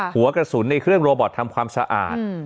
หัวกระสุนในเครื่องโรบอตทำความสะอาด